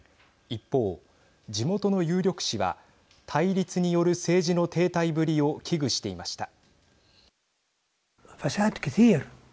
一方地元の有力紙は対立による政治の停滞ぶりを危惧していました。